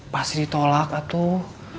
pasti ditolak atuh